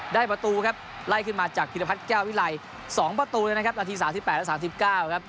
ได้ประตูครับไล่ขึ้นมาจากพิรพัฒน์แก้ววิไล๒ประตูเลยนะครับนาที๓๘และ๓๙ครับ